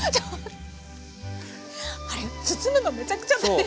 あれ包むのめちゃくちゃ大変なのに。